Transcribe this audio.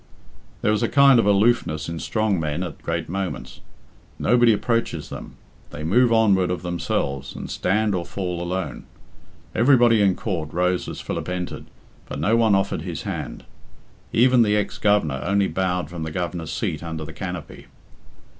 There is a kind of aloofness in strong men at great moments. Nobody approaches them. They move onward of themselves, and stand or fall alone. Everybody in court rose as Philip entered, but no one offered his hand. Even the ex Governor only bowed from the Governor's seat under the canopy.